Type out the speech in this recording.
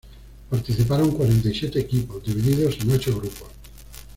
Participaron cuarenta y siete equipos, divididos en ocho grupos.